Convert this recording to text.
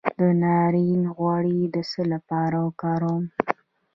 د ناریل غوړي د څه لپاره وکاروم؟